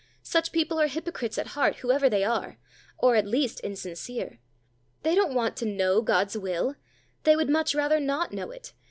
Such people are hypocrites at heart, whoever they are; or at least, insincere. They don't want to know God's will; they would much rather not know it.